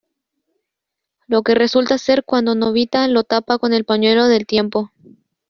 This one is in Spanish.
Lo que resulta ser cuando Nobita lo tapa con el pañuelo del tiempo.